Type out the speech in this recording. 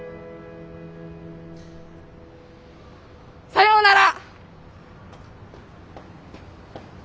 さようなら！